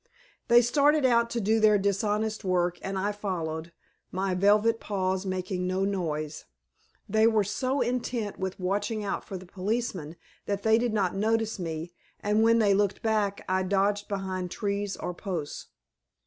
They started out to do their dishonest work and I followed, my velvet paws making no noise. They were so intent with watching out for policemen that they did not notice me and when they looked back I dodged behind trees or posts.